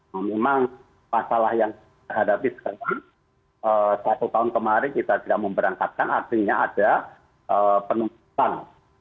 memang masalah yang terhadapi sekarang satu tahun kemarin kita tidak memberangkatkan artinya ada penumpusan